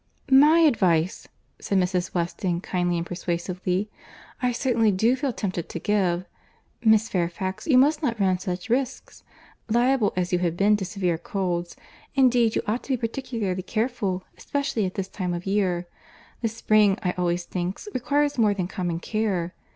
"My advice," said Mrs. Weston kindly and persuasively, "I certainly do feel tempted to give. Miss Fairfax, you must not run such risks.—Liable as you have been to severe colds, indeed you ought to be particularly careful, especially at this time of year. The spring I always think requires more than common care.